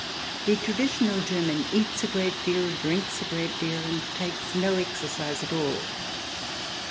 The traditional German eats a great deal, drinks a great deal, and takes no exer cise at all.